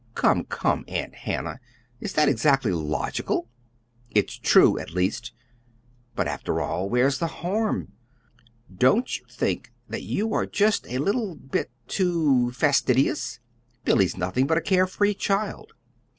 "Come, come, Aunt Hannah, is that exactly logical?" "It's true, at least." "But, after all, where's the harm? Don't you think that you are just a little bit too fastidious? Billy's nothing but a care free child."